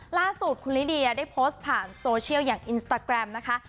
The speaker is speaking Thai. ล่าสุดคุณลิเดียได้โพสต์ผ่านโซเชียลอย่างอินสตาแกรมนะคะ